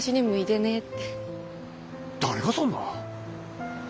誰がそんな。